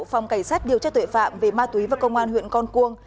phòng cảnh sát điều tra tuệ phạm về ma túy và công an huyện con cuông